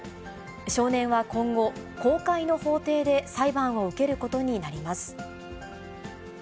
少年は今後、公開の法廷で裁判を受けることになります。